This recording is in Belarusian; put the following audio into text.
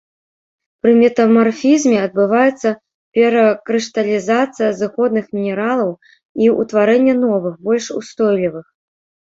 Пры метамарфізме адбываецца перакрышталізацыя зыходных мінералаў і ўтварэнне новых, больш устойлівых.